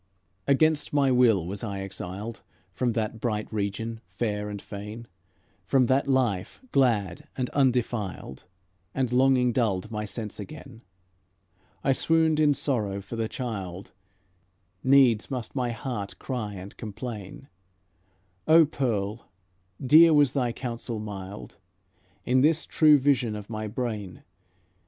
Against my will was I exiled From that bright region, fair and fain, From that life, glad and undefiled, And longing dulled my sense again; I swooned in sorrow for the child, Needs must my heart cry and complain: "O Pearl, dear was thy counsel mild, In this true vision of my brain!